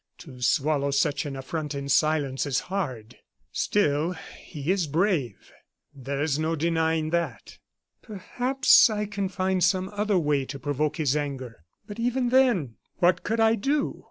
To swallow such an affront in silence is hard. Still, he is brave, there is no denying that; perhaps I can find some other way to provoke his anger. But even then, what could I do?